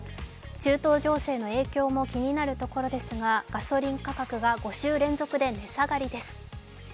中東情勢の影響も気になるところですがガソリン価格が５週連続で値下がりです。